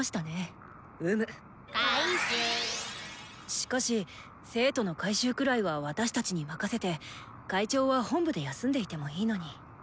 しかし生徒の回収くらいは私たちに任せて会長は本部で休んでいてもいいのに。